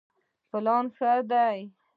پلان ښه دی.